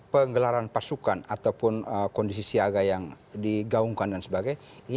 penggelaran pasukan ataupun kondisi siaga yang digaungkan dan sebagainya